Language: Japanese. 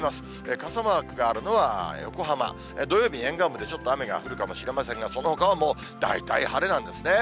傘マークがあるのは横浜、土曜日、沿岸部でちょっと雨が降るかもしれませんが、そのほかはもう大体晴れなんですね。